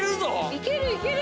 いけるいける。